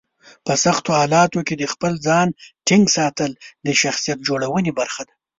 په سختو حالاتو کې د خپل ځان ټینګ ساتل د شخصیت جوړونې برخه ده.